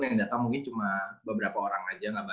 yang datang mungkin cuma beberapa orang aja